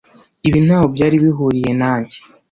Ibi ntaho byari bihuriye nanjye.